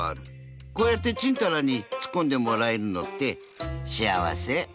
こうやってちんたらにツッコんでもらえるのって幸せ。